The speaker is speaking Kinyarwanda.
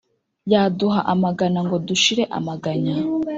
yaduha amagana ngo dushire amaganya,